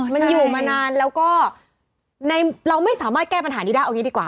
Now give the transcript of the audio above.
มันอยู่มานานแล้วก็เราไม่สามารถแก้ปัญหานี้ได้เอางี้ดีกว่า